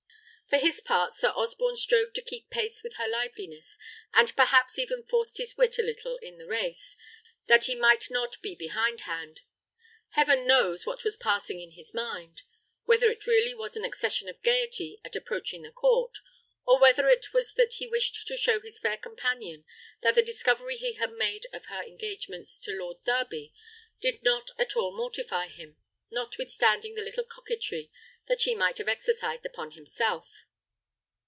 For his part, Sir Osborne strove to keep pace with her liveliness, and perhaps even forced his wit a little in the race, that he might not be behindhand. Heaven knows what was passing in his mind! whether it really was an accession of gaiety at approaching the court, or whether it was that he wished to show his fair companion that the discovery he had made of her engagements to Lord Darby did not at all mortify him, notwithstanding the little coquetry that she might have exercised upon himself.